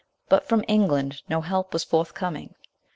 But from England no help was forth coming.